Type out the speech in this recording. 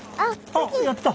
あっやった！